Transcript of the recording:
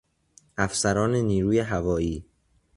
افسران نیروی هوایی